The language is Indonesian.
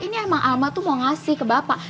ini emang alma tuh mau ngasih ke bapak